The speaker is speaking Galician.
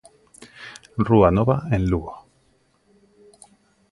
Rúa Nova en Lugo.